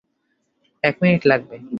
এক মিনিট লাগবে।